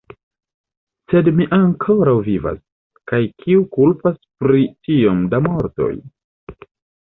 Sed mi ankoraŭ vivas, kaj kiu kulpas pri tiom da mortoj?